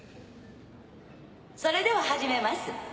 それでは始めます。